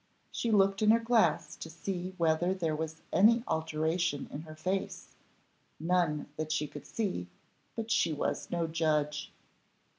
She looked in her glass to see whether there was any alteration in her face; none that she could see, but she was no judge.